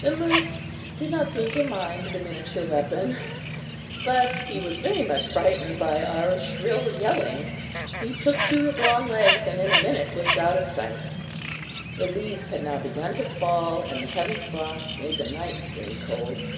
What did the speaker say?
The moose did not seem to mind the miniature weapon, but he was very much frightened by our shrill yelling. He took to his long legs, and in a minute was out of sight. The leaves had now begun to fall, and the heavy frosts made the nights very cold.